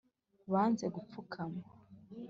Banze gupfukama